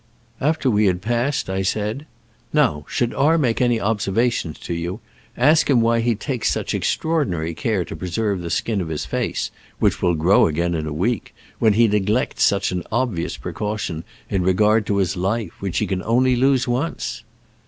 After we ' had passed, I said, " Now, should R make any observations to you, ask him why he takes such extraordinary care to preserve the skin of his face, which will grow again in a week, when he neglects such an obvious precaution in regard to his life, which he can only lose once."